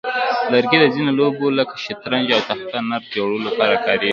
لرګي د ځینو لوبو لکه شطرنج او تخته نرد جوړولو لپاره کارېږي.